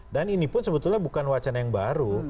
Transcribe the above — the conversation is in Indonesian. dan ini pun sebetulnya bukan wacana yang baru